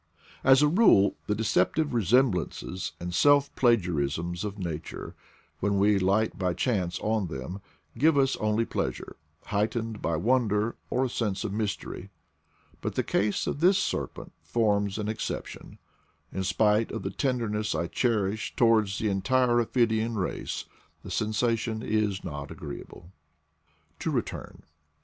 As a rule the deceptive resemblances and self plagiarisms of nature, when we light by chance on them, give us only pleasure, heightened by wonder or a sense of mystery; but the case of this ser pent forms an exception: in spite of the tender ness I cherish towards the entire ophidian race, the sensation is not agreeable. To return.